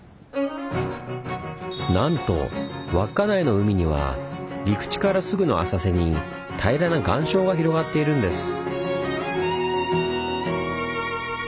なんと稚内の海には陸地からすぐの浅瀬に平らな岩礁が広がっているんです。